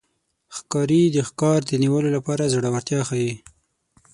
ښکاري د ښکار د نیولو لپاره زړورتیا ښيي.